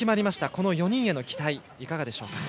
この４人への期待はいかがですか。